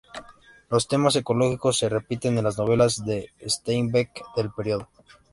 Los temas ecológicos se repiten en las novelas de Steinbeck del período.